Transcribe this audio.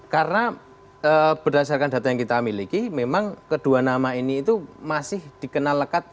karena berdasarkan data yang kita miliki memang kedua nama ini itu masih dikenal lekat